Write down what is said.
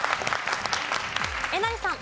えなりさん。